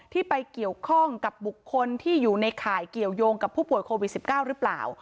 ไปเกี่ยวข้องกับบุคคลที่อยู่ในข่ายเกี่ยวยงกับผู้ป่วยโควิด๑๙หรือเปล่า